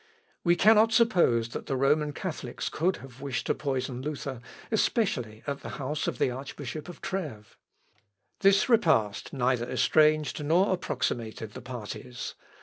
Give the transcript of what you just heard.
We cannot suppose that the Roman Catholics could have wished to poison Luther, especially at the house of the Archbishop of Trêves. This répast neither estranged nor approximated the parties.